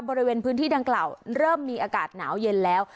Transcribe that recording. บริเวณพื้นที่ดังกล่าวเริ่มมีอากาศหนาวเย็นแล้ว